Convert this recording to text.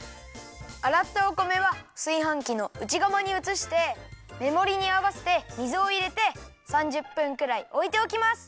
あらったお米はすいはんきのうちがまにうつしてメモリにあわせて水をいれて３０分くらいおいておきます。